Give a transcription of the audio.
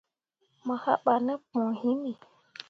Mo haɓah ne põo himi.